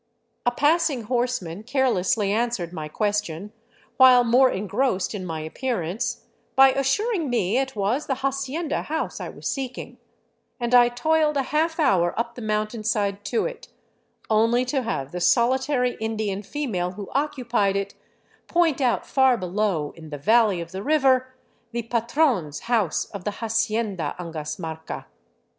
A passing horseman care lessly answered my question, while more engrossed in my appearance, by assuring me it was the hacienda house I was seeking ; and I toiled a half hour up the mountainside to it, only to have the solitary Indian female who occupied it point out far below, in the valley of the river, the " patron's " house of the " Hacienda Angasmarca."